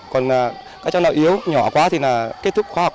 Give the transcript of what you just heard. còn các cháu nào yếu nhỏ quá thì kết thúc khoa học